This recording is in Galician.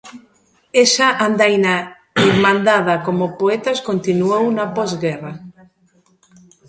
Esa andaina irmandada como poetas continuou na Posguerra.